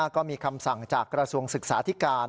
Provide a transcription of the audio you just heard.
ก็มีคำสั่งจากกระทรวงศึกษาธิการ